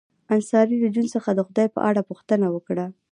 انصاري له جون څخه د خدای په اړه پوښتنه وکړه